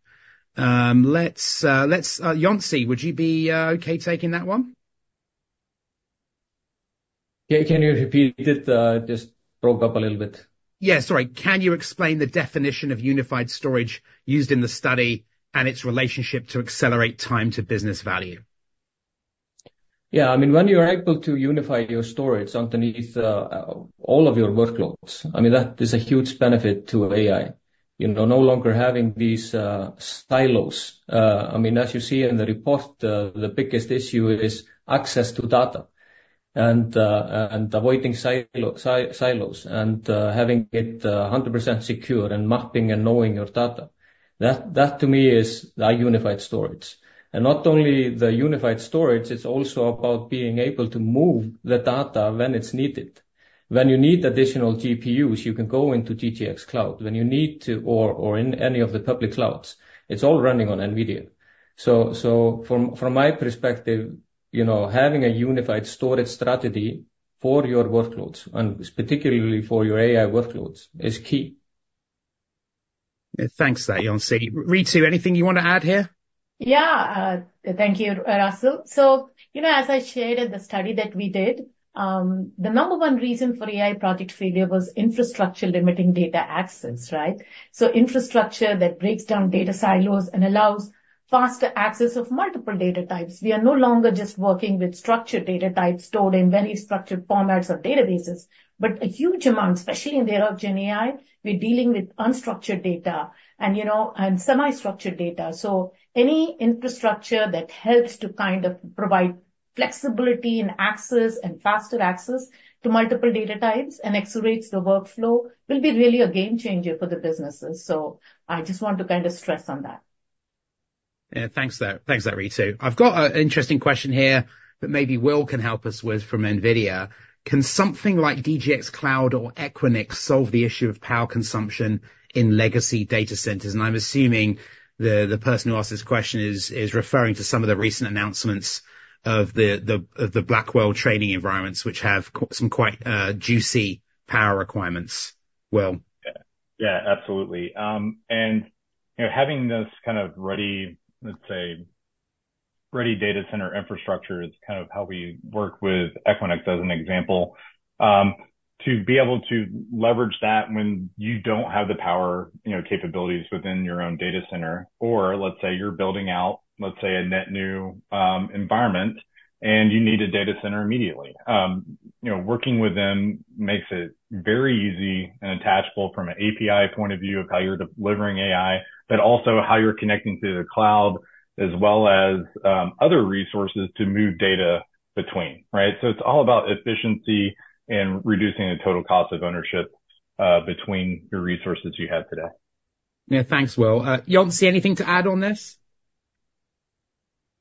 Let's, Jonsi, would you be okay taking that one? Yeah. Can you repeat it? Just broke up a little bit. Yeah, sorry. Can you explain the definition of unified storage used in the study and its relationship to accelerate time to business value? Yeah, I mean, when you are able to unify your storage underneath all of your workloads, I mean, that is a huge benefit to AI. You know, no longer having these silos. I mean, as you see in the report, the biggest issue is access to data, and avoiding silos, and having it 100% secure, and mapping and knowing your data. That to me is a unified storage. And not only the unified storage, it's also about being able to move the data when it's needed. When you need additional GPUs, you can go into DGX Cloud. When you need to or in any of the public clouds, it's all running on NVIDIA. From my perspective, you know, having a unified storage strategy for your workloads, and particularly for your AI workloads, is key. Thanks for that, Jonsi. Ritu, anything you want to add here? Yeah, thank you, Russell. So, you know, as I shared in the study that we did, the number one reason for AI project failure was infrastructure limiting data access, right? So infrastructure that breaks down data silos and allows faster access of multiple data types. We are no longer just working with structured data types stored in very structured formats or databases, but a huge amount, especially in the era of GenAI, we're dealing with unstructured data and, you know, and semi-structured data. So any infrastructure that helps to kind of provide flexibility and access and faster access to multiple data types and accelerates the workflow, will be really a game changer for the businesses. So I just want to kind of stress on that. Yeah. Thanks for that. Thanks for that, Ritu. I've got an interesting question here that maybe Will can help us with from NVIDIA. Can something like DGX Cloud or Equinix solve the issue of power consumption in legacy data centers? And I'm assuming the person who asked this question is referring to some of the recent announcements of the Blackwell training environments, which have some quite juicy power requirements. Will? Yeah, absolutely. And, you know, having this kind of ready, let's say, ready data center infrastructure is kind of how we work with Equinix, as an example. To be able to leverage that when you don't have the power, you know, capabilities within your own data center, or let's say you're building out, let's say, a net new environment, and you need a data center immediately. You know, working with them makes it very easy and attachable from an API point of view of how you're delivering AI, but also how you're connecting to the cloud, as well as other resources to move data between, right? So it's all about efficiency and reducing the total cost of ownership between the resources you have today. Yeah. Thanks, Will. Jonsi, anything to add on this?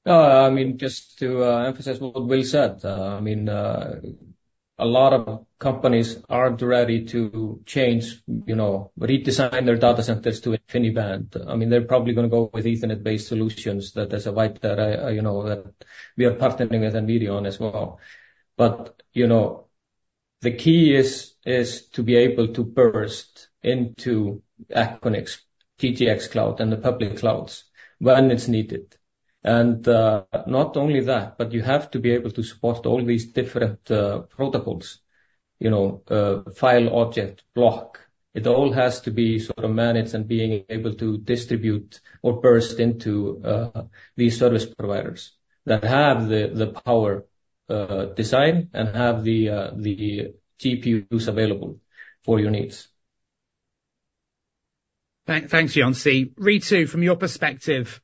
I mean, just to emphasize what Will said. I mean, a lot of companies aren't ready to change, you know, redesign their data centers to InfiniBand. I mean, they're probably gonna go with Ethernet-based solutions, that there's a vibe that I, you know, that we are partnering with NVIDIA on as well. But, you know, the key is to be able to burst into Equinix, DGX Cloud, and the public clouds when it's needed. And, not only that, but you have to be able to support all these different protocols, you know, file, object, block. It all has to be sort of managed and being able to distribute or burst into these service providers that have the power design and have the GPUs available for your needs. Thanks, Jonsi. Ritu, from your perspective,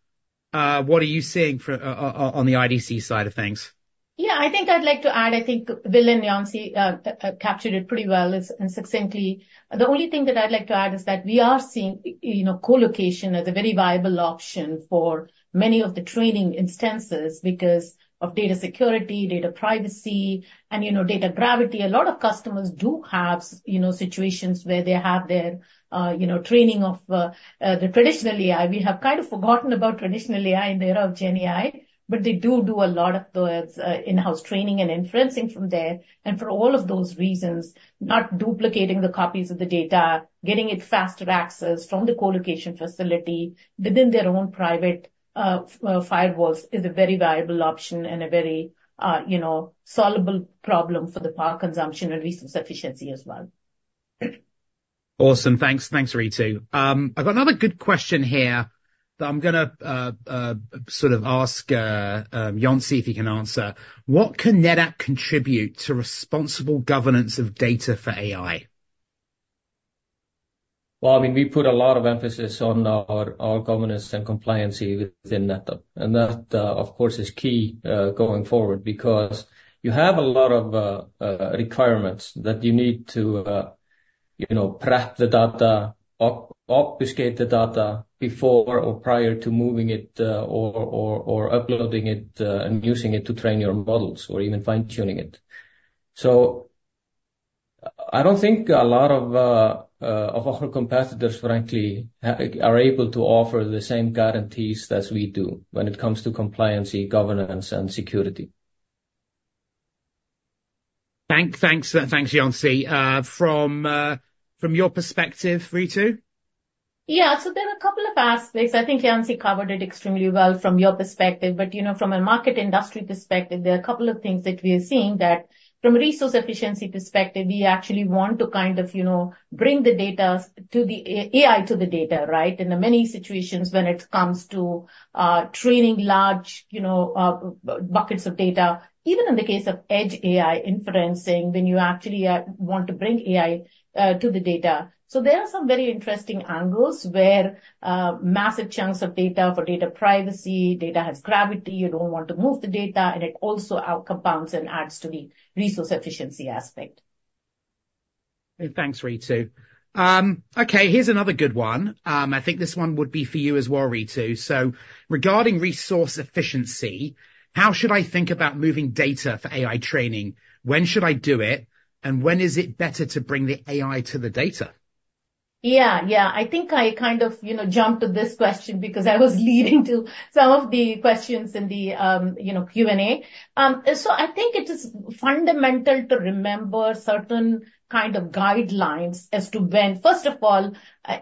what are you seeing on the IDC side of things? Yeah, I think I'd like to add. I think Will and Jonsi captured it pretty well and succinctly. The only thing that I'd like to add is that we are seeing, you know, colocation as a very viable option for many of the training instances because of data security, data privacy, and, you know, data gravity. A lot of customers do have, you know, situations where they have their, you know, training of the traditional AI. We have kind of forgotten about traditional AI in the era of GenAI, but they do do a lot of the in-house training and inferencing from there. For all of those reasons, not duplicating the copies of the data, getting it faster access from the colocation facility within their own private firewalls, is a very viable option and a very, you know, solvable problem for the power consumption and resource efficiency as well.... Awesome. Thanks. Thanks, Ritu. I've got another good question here that I'm gonna, sort of ask, Jonsi, if he can answer: What can NetApp contribute to responsible governance of data for AI? Well, I mean, we put a lot of emphasis on our governance and compliancy within NetApp, and that, of course, is key going forward. Because you have a lot of requirements that you need to, you know, prep the data, obfuscate the data before or prior to moving it, or uploading it, and using it to train your models or even fine-tuning it. So I don't think a lot of our competitors, frankly, are able to offer the same guarantees as we do when it comes to compliancy, governance, and security. Thanks, Jonsi. From your perspective, Ritu? Yeah. So there are a couple of aspects. I think Jonsi covered it extremely well from your perspective, but, you know, from a market industry perspective, there are a couple of things that we are seeing that from a resource efficiency perspective, we actually want to kind of, you know, bring the data to the- AI to the data, right? In the many situations when it comes to training large, you know, buckets of data, even in the case of edge AI inferencing, when you actually want to bring AI to the data. So there are some very interesting angles where massive chunks of data for data privacy, data has gravity, you don't want to move the data, and it also compounds and adds to the resource efficiency aspect. Thanks, Ritu. Okay, here's another good one. I think this one would be for you as well, Ritu. So regarding resource efficiency, how should I think about moving data for AI training? When should I do it, and when is it better to bring the AI to the data? Yeah, yeah. I think I kind of, you know, jumped to this question because I was leading to some of the questions in the, you know, Q&A. So I think it is fundamental to remember certain kind of guidelines as to when. First of all,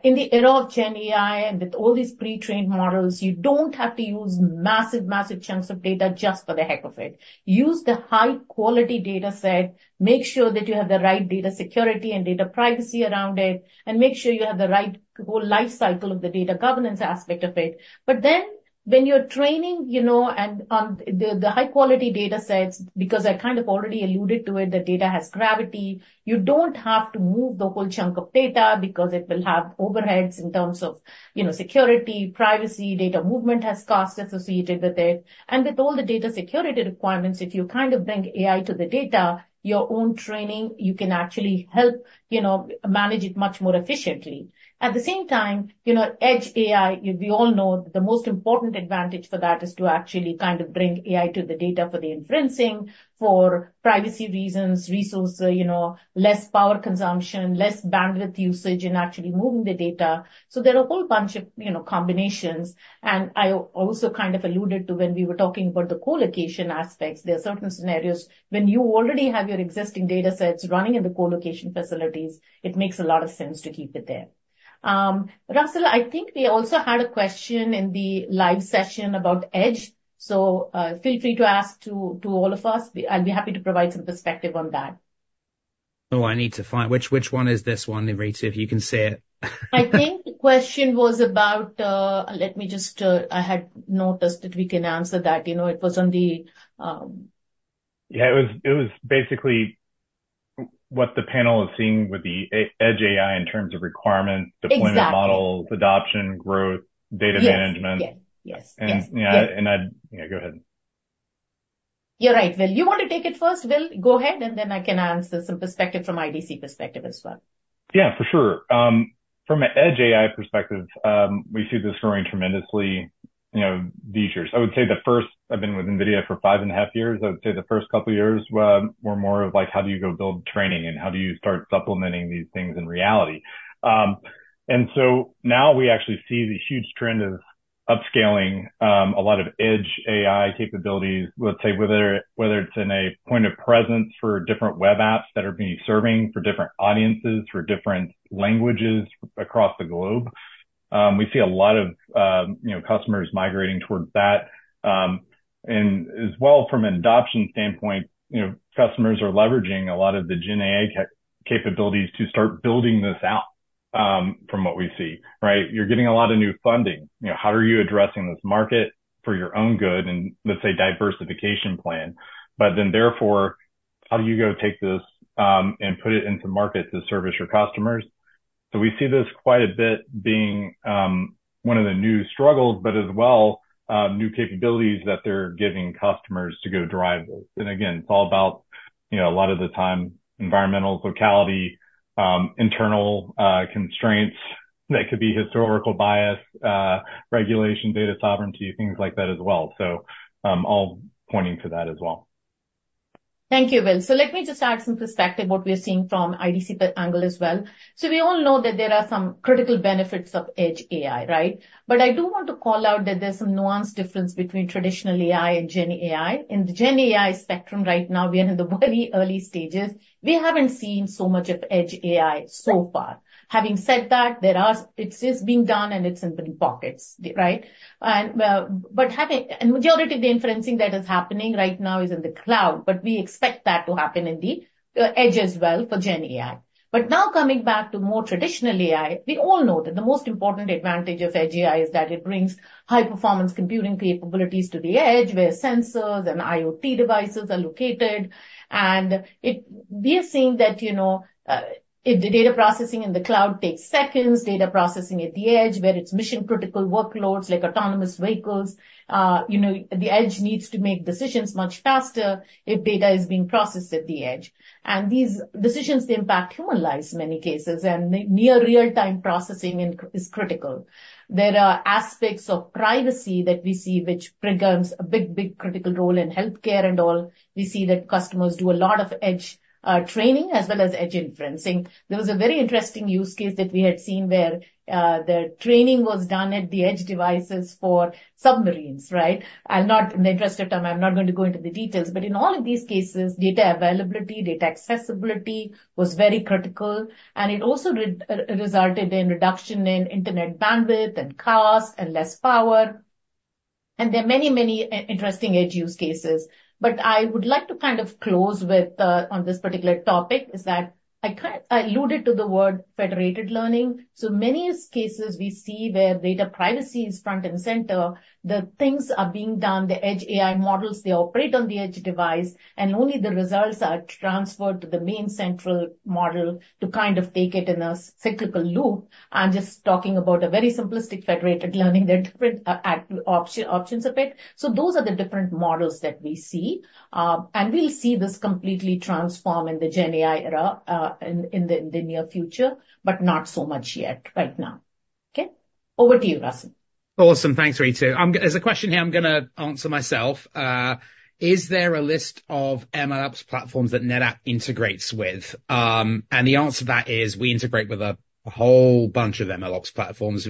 in the era of GenAI and with all these pre-trained models, you don't have to use massive, massive chunks of data just for the heck of it. Use the high-quality data set, make sure that you have the right data security and data privacy around it, and make sure you have the right whole life cycle of the data governance aspect of it. But then, when you're training, you know, and the high-quality data sets, because I kind of already alluded to it, the data has gravity. You don't have to move the whole chunk of data because it will have overheads in terms of, you know, security, privacy, data movement has costs associated with it. And with all the data security requirements, if you kind of bring AI to the data, your own training, you can actually help, you know, manage it much more efficiently. At the same time, you know, edge AI, we all know the most important advantage for that is to actually kind of bring AI to the data for the inferencing, for privacy reasons, resource, you know, less power consumption, less bandwidth usage in actually moving the data. So there are a whole bunch of, you know, combinations, and I also kind of alluded to when we were talking about the co-location aspects. There are certain scenarios when you already have your existing data sets running in the co-location facilities. It makes a lot of sense to keep it there. Russell, I think we also had a question in the live session about Edge, so feel free to ask to all of us. I'll be happy to provide some perspective on that. Oh, I need to find... Which, which one is this one, Ritu, if you can see it? I think the question was about, let me just, I had noticed that we can answer that. You know, it was on the, Yeah, it was, it was basically what the panel is seeing with the Edge AI in terms of requirements- Exactly. Deployment models, adoption, growth, data management. Yes. Yes, yes. Yeah, go ahead. You're right, Will. You want to take it first, Will? Go ahead, and then I can answer some perspective from IDC perspective as well. Yeah, for sure. From an Edge AI perspective, we see this growing tremendously, you know, these years. I would say the first... I've been with NVIDIA for 5.5 years. I would say the first couple of years were more of like, how do you go build training, and how do you start supplementing these things in reality? And so now we actually see the huge trend of upscaling a lot of Edge AI capabilities, let's say, whether it's in a point of presence for different web apps that are being serving for different audiences, for different languages across the globe. We see a lot of, you know, customers migrating towards that. And as well, from an adoption standpoint, you know, customers are leveraging a lot of the GenAI capabilities to start building this out, from what we see, right? You're getting a lot of new funding. You know, how are you addressing this market for your own good and, let's say, diversification plan? But then, therefore, how do you go take this, and put it into market to service your customers? So we see this quite a bit being one of the new struggles, but as well, new capabilities that they're giving customers to go drive this. And again, it's all about, you know, a lot of the time, environmental locality, internal constraints that could be historical bias, regulation, data sovereignty, things like that as well. So, all pointing to that as well. ... Thank you, Will. So let me just add some perspective, what we are seeing from IDC angle as well. So we all know that there are some critical benefits of edge AI, right? But I do want to call out that there's some nuanced difference between traditional AI and GenAI. In the GenAI spectrum right now, we are in the very early stages. We haven't seen so much of edge AI so far. Having said that, there are, it's just being done, and it's in the pockets, right? And, but having, and majority of the inferencing that is happening right now is in the cloud, but we expect that to happen in the edge as well for GenAI. But now coming back to more traditional AI, we all know that the most important advantage of Edge AI is that it brings high-performance computing capabilities to the edge, where sensors and IoT devices are located. And it—we are seeing that, you know, if the data processing in the cloud takes seconds, data processing at the edge, where it's mission-critical workloads, like autonomous vehicles, you know, the edge needs to make decisions much faster if data is being processed at the edge. And these decisions, they impact human lives in many cases, and near real-time processing is critical. There are aspects of privacy that we see, which plays a big, big critical role in healthcare and all. We see that customers do a lot of edge training as well as edge inferencing. There was a very interesting use case that we had seen where the training was done at the edge devices for submarines, right? I'm not, in the interest of time, I'm not going to go into the details, but in all of these cases, data availability, data accessibility was very critical, and it also resulted in reduction in internet bandwidth and cost and less power. And there are many, many interesting edge use cases. But I would like to kind of close with on this particular topic, is that I alluded to the word federated learning. So many use cases we see where data privacy is front and center, the things are being done, the edge AI models, they operate on the edge device, and only the results are transferred to the main central model to kind of take it in a cyclical loop. I'm just talking about a very simplistic federated learning, the different options of it. So those are the different models that we see. And we'll see this completely transform in the GenAI era, in the near future, but not so much yet right now. Okay? Over to you, Russell. Awesome. Thanks, Ritu. There's a question here I'm gonna answer myself. Is there a list of MLOps platforms that NetApp integrates with? And the answer to that is we integrate with a whole bunch of MLOps platforms.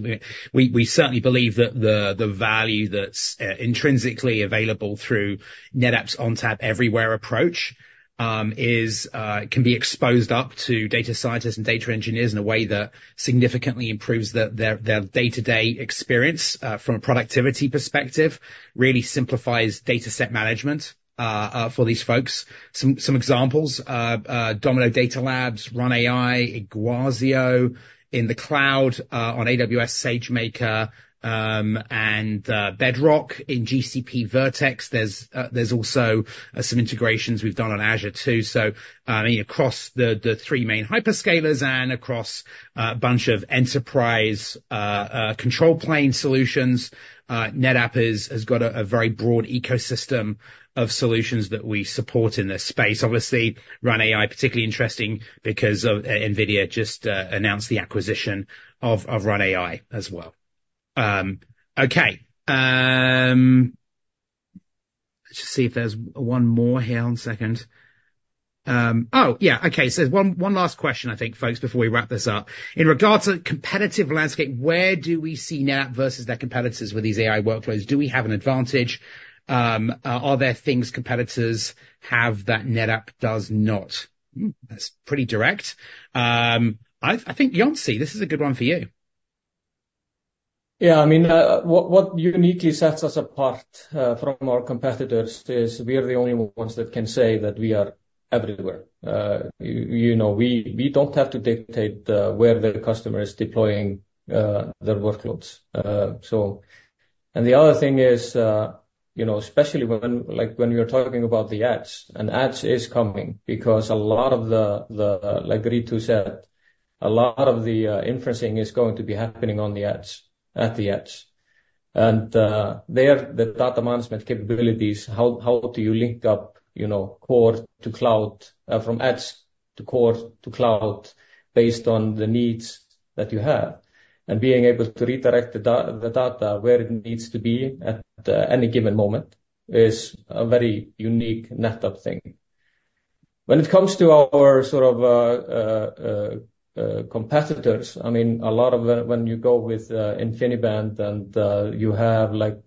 We certainly believe that the value that's intrinsically available through NetApp's ONTAP Everywhere approach is can be exposed up to data scientists and data engineers in a way that significantly improves their day-to-day experience from a productivity perspective, really simplifies dataset management for these folks. Some examples, Domino Data Lab, Run:ai, Iguazio. In the cloud, on AWS, SageMaker, and Bedrock. In GCP, Vertex. There's also some integrations we've done on Azure, too. So, you know, across the three main hyperscalers and across a bunch of enterprise control plane solutions, NetApp has got a very broad ecosystem of solutions that we support in this space. Obviously, Run:ai, particularly interesting because of NVIDIA just announced the acquisition of Run:ai as well. Okay. Let's just see if there's one more here. One second. Oh, yeah. Okay, so there's one last question, I think, folks, before we wrap this up: In regards to competitive landscape, where do we see NetApp versus their competitors with these AI workflows? Do we have an advantage? Are there things competitors have that NetApp does not? Hmm, that's pretty direct. I think, Jonsi, this is a good one for you. Yeah, I mean, what uniquely sets us apart from our competitors is we are the only ones that can say that we are everywhere. You know, we don't have to dictate where the customer is deploying their workloads. So... The other thing is, you know, especially when, like, when we are talking about the edge, and edge is coming, because a lot of the, like Ritu said, a lot of the inferencing is going to be happening on the edge, at the edge. There, the data management capabilities, how do you link up, you know, core to cloud from edge to core to cloud based on the needs that you have? And being able to redirect the data where it needs to be at any given moment is a very unique NetApp thing. When it comes to our sort of competitors, I mean, a lot of when you go with InfiniBand and you have, like,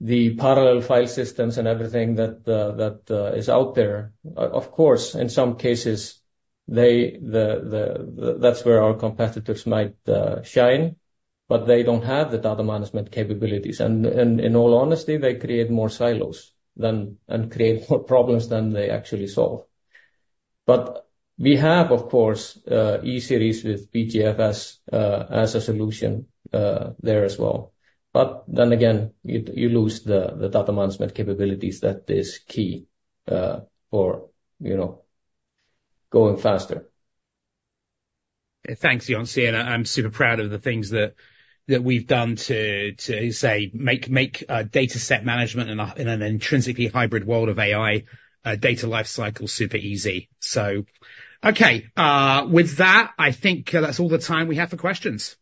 the parallel file systems and everything that is out there, of course, in some cases, that's where our competitors might shine, but they don't have the data management capabilities. And in all honesty, they create more silos than and create more problems than they actually solve. But we have, of course, E-Series with BeeGFS as a solution there as well. But then again, you lose the data management capabilities. That is key for you know, going faster. Thanks, Jonsi, and I'm super proud of the things that we've done to say make dataset management in an intrinsically hybrid world of AI data life cycle super easy. So okay, with that, I think, that's all the time we have for questions.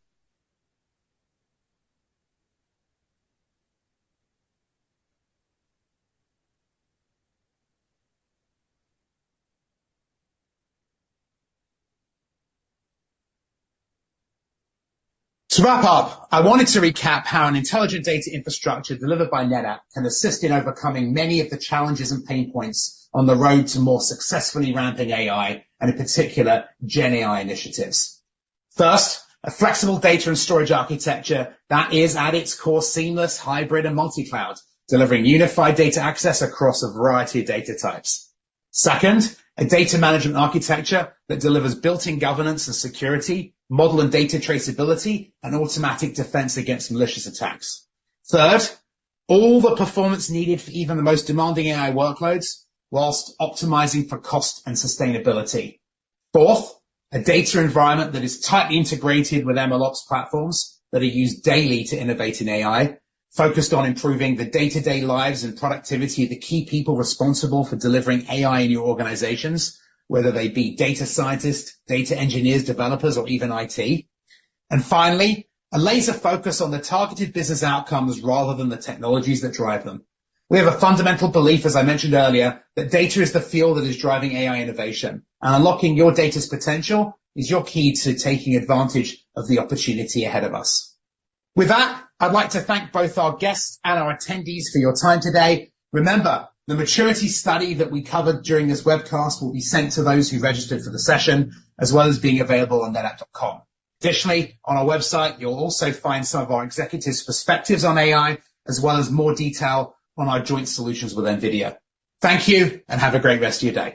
To wrap up, I wanted to recap how an intelligent data infrastructure delivered by NetApp can assist in overcoming many of the challenges and pain points on the road to more successfully ramping AI, and in particular, GenAI initiatives. First, a flexible data and storage architecture that is, at its core, seamless, hybrid, and multi-cloud, delivering unified data access across a variety of data types. Second, a data management architecture that delivers built-in governance and security, model and data traceability, and automatic defense against malicious attacks. Third, all the performance needed for even the most demanding AI workloads, while optimizing for cost and sustainability. Fourth, a data environment that is tightly integrated with MLOps platforms that are used daily to innovate in AI, focused on improving the day-to-day lives and productivity of the key people responsible for delivering AI in your organizations, whether they be data scientists, data engineers, developers, or even IT. And finally, a laser focus on the targeted business outcomes rather than the technologies that drive them. We have a fundamental belief, as I mentioned earlier, that data is the fuel that is driving AI innovation, and unlocking your data's potential is your key to taking advantage of the opportunity ahead of us. With that, I'd like to thank both our guests and our attendees for your time today. Remember, the maturity study that we covered during this webcast will be sent to those who registered for the session, as well as being available on NetApp.com. Additionally, on our website, you'll also find some of our executives' perspectives on AI, as well as more detail on our joint solutions with NVIDIA. Thank you, and have a great rest of your day!